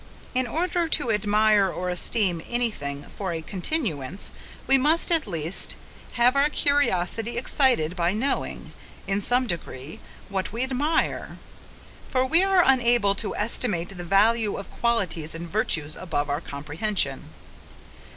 In order to admire or esteem any thing for a continuance, we must, at least, have our curiosity excited by knowing, in some degree, what we admire; for we are unable to estimate the value of qualities and virtues above our comprehension.